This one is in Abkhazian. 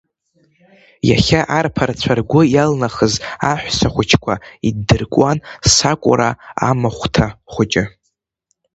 Иахьа арԥарацәа ргәы иалнахыз аҳәса хәыҷқәа иддыркуан сакура амахәҭа хәыҷы.